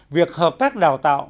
việc hợp tác đào tạo